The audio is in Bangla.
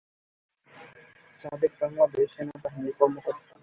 সাবেক বাংলাদেশ সেনাবাহিনীর কর্মকর্তা।